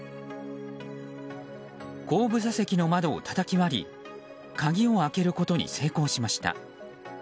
後部座席の窓をたたき割り鍵を開けることに成功しました。